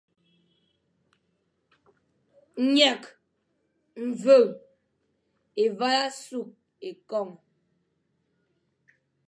Yekh myekh, Évala sa sukh ékon,